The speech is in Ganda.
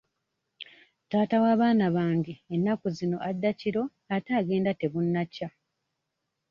Taata w'abaana bange ennaku zino adda kiro ate agenda tebunnakya.